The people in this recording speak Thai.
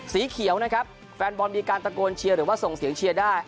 สีเขียวนะครับแฟนบอลมีการตะโกนเชียร์หรือว่าส่งเสียงเชียร์ได้